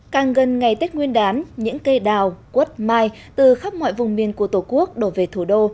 càng gần ngày tết nguyên đán những cây đào quất mai từ khắp mọi vùng miền của tổ quốc đổ về thủ đô